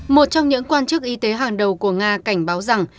một trong những quan chức y tế hàng đầu của nga cảnh báo rằng